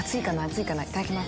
いただきます。